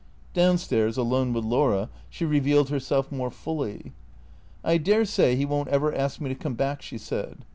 Down stairs, alone with Laura, she revealed herself more fully. " I dare say 'e won't ever ask me to come back," she said.